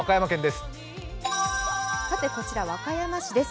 こちら和歌山市です。